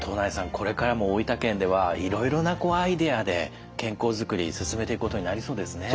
これからも大分県ではいろいろなアイデアで健康づくり進めていくことになりそうですね。